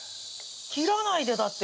切らないでだって。